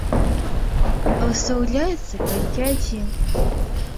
А выстаўляецца толькі адзін!